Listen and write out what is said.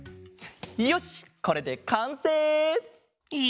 よしこれでかんせい！